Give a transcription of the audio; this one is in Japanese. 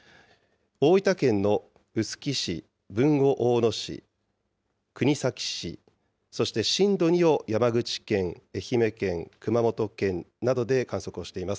大分県の臼杵市、豊後大野市、国東市、そして震度２を山口県、愛媛県、熊本県などで観測しています。